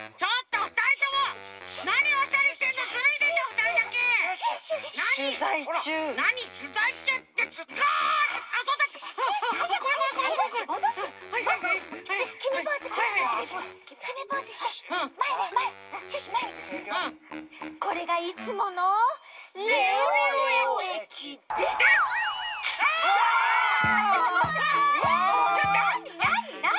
えっなになになに？